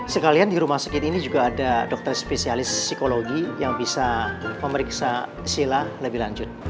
sekalian di rumah sakit ini juga ada dokter spesialis psikologi yang bisa memeriksa sila lebih lanjut